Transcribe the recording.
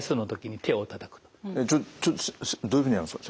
ちょどういうふうにやるんですか？